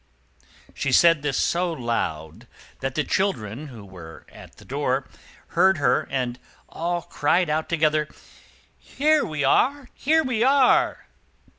She said this so loud that the children, who were at the door, heard her, and all cried out together, "Here we are! here we are!"